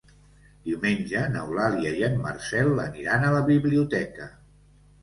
Diumenge n'Eulàlia i en Marcel aniran a la biblioteca.